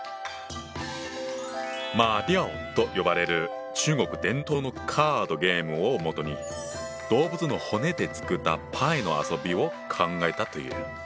馬吊と呼ばれる中国伝統のカードゲームをもとに動物の骨で作ったパイの遊びを考えたという。